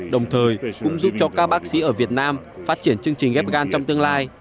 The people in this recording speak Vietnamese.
đồng thời cũng giúp cho các bác sĩ ở việt nam phát triển chương trình ghép gan trong tương lai